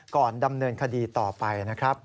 ก่อนดำเนินคดีต่อไปนะครับ